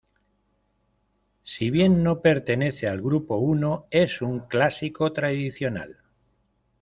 Si bien no pertenece al Grupo I, es un clásico tradicional.